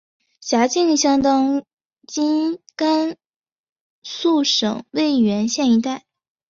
辖境相当今甘肃省渭源县一带。